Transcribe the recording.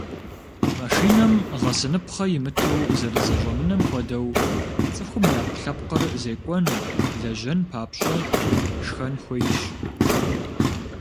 Машинэм гъэсыныпхъэ имыту зэрызэщӏэмынэм хуэдэу, цӏыхум и ӏэпкълъэпкъыр зекӏуэн, лэжьэн папщӏэ, шхэн хуейщ.